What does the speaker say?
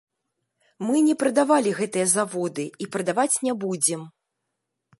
Мы не прадавалі гэтыя заводы і прадаваць не будзем.